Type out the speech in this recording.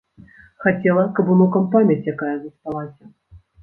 Хацела, каб унукам памяць якая засталася.